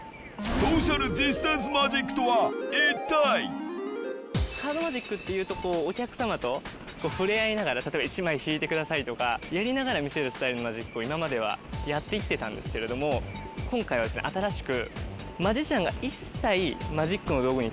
ソーシャルディスタンスマジックとは一体⁉カードマジックっていうとお客様と触れ合いながら「１枚引いてください」とかやりながら見せるスタイルのマジックを今まではやって来てたんですけれども今回は新しく。